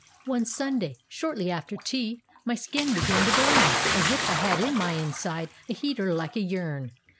" One Sunday, shortly after tea, My skin began to bunt, As if I had in my inside A heater like a urn.